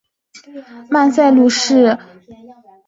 曼塞卢什是葡萄牙波尔图区的一个堂区。